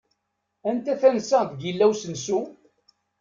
Anta tansa deg illa usensu?